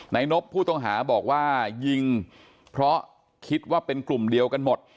นบผู้ต้องหาบอกว่ายิงเพราะคิดว่าเป็นกลุ่มเดียวกันหมด